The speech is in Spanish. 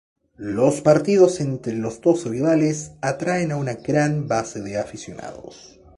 Los partidos entre los dos rivales atraer a una gran base de aficionados.